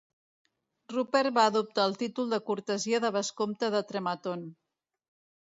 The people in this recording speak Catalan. Rupert va adoptar el títol de cortesia de Bescompte de Trematon.